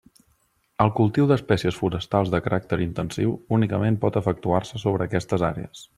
El cultiu d'espècies forestals de caràcter intensiu únicament pot efectuar-se sobre aquestes àrees.